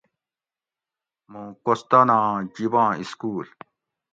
مُوں کوستاناں جِباں اِسکول